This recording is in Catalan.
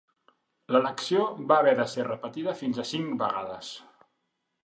L'elecció va haver de ser repetida fins a cinc vegades.